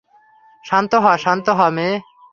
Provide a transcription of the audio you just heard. শান্ত হ, শান্ত হ মেয়ে।